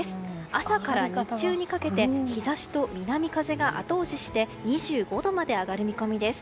朝から日中にかけて日差しと南風が後押しして２５度まで上がる見込みです。